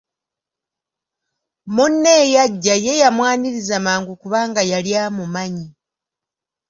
Munne eyajja ye yamwaniriza mangu kubanga yali amumanyi.